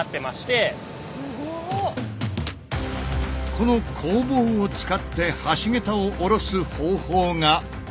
この鋼棒を使って橋桁をおろす方法がこちら！